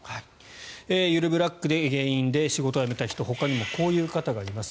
ゆるブラックが原因で仕事を辞めた人ほかにもこういう方がいます。